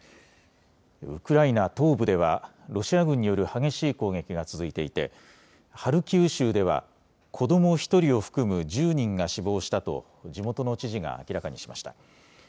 ウクライナ東部ではロシア軍による激しい攻撃が続いていてハルキウ州では子ども１人を含む１０人が死亡したと地元の知事が明らかにしました。